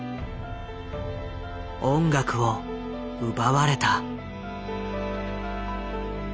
音楽を奪われた。